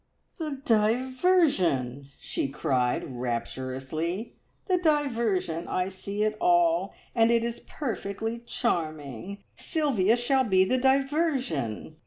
"The Diversion," she cried rapturously "the Diversion! I see it all, and it is perfectly charming! Sylvia shall be the diversion!